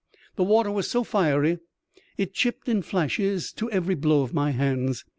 The water was so fiery, it chipped in flashes to every blow of my hands.